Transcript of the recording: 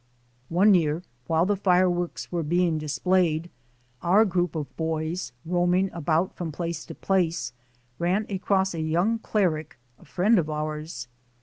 One year while the fireworks were being displayed, our group of boys, roaming about from place to place, ran across a young cleric, a friend of ours.